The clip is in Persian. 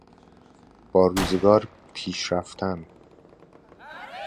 با روزگار پیش رفتن